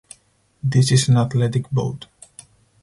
This is an athletic boat.